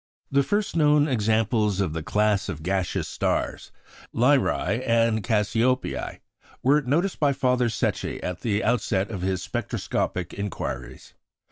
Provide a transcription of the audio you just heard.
The first known examples of the class of gaseous stars Beta Lyræ and Gamma Cassiopeiæ were noticed by Father Secchi at the outset of his spectroscopic inquiries.